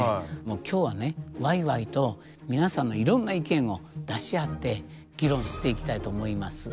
今日はねわいわいと皆さんのいろんな意見を出し合って議論していきたいと思います。